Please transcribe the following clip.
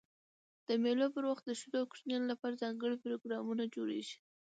د مېلو پر وخت د ښځو او کوچنيانو له پاره ځانګړي پروګرامونه جوړېږي.